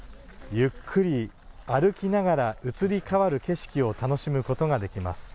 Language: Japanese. ゆっくり歩きながら移り変わる景色を楽しむことができます。